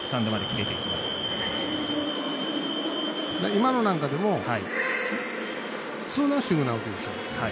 今のなんかでもツーナッシングなわけなんですよ。